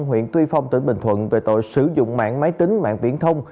huyện tuy phong tỉnh bình thuận về tội sử dụng mạng máy tính mạng viễn thông